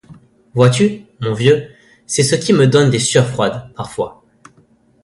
Vois-tu, mon vieux, c'est ce qui me donne des sueurs froides, parfois.